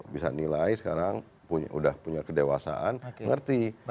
bisa nilai sekarang sudah punya kedewasaan mengerti